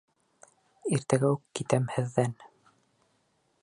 Иртәгә үк китәм һеҙҙән!